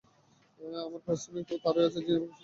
আমার পারিশ্রমিক তো তারই কাছে, যিনি আমাকে সৃষ্টি করেছেন।